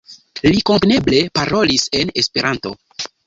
Li kompreneble parolis en Esperanto.